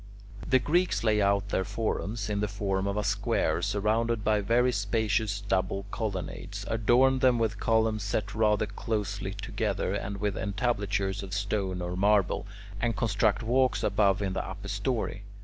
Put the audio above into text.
The Greeks lay out their forums in the form of a square surrounded by very spacious double colonnades, adorn them with columns set rather closely together, and with entablatures of stone or marble, and construct walks above in the upper story.